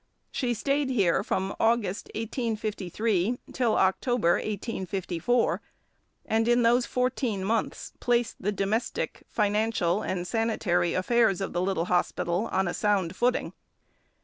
She stayed here from August 1853 till October 1854, and in those fourteen months placed the domestic, financial, and sanitary affairs of the little hospital on a sound footing.